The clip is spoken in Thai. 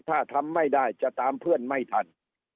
ถ้าทำไม่ได้จะตามเพื่อนไม่ทัน